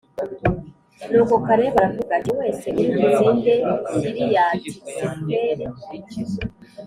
nuko kalebu+ aravuga ati “umuntu wese uri butsinde kiriyati-seferi